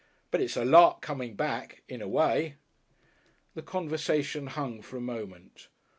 But it's a Lark coming back. In a way...." The conversation hung for a moment.